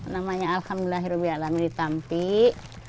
namanya alhamdulillah hira biak alamin di tampik